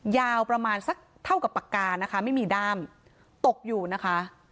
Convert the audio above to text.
ยาวประมาณสักเท่ากับปากกานะคะไม่มีด้ามตกอยู่นะคะ